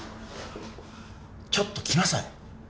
ちょっと来なさい